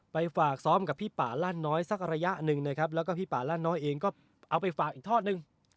ฝากซ้อมกับพี่ป่าลั่นน้อยสักระยะหนึ่งนะครับแล้วก็พี่ป่าลั่นน้อยเองก็เอาไปฝากอีกทอดหนึ่ง